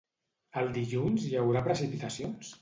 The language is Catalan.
El dilluns hi haurà precipitacions?